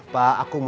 pa aku mau